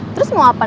terus mau apa nelfon